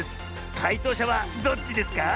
かいとうしゃはどっちですか？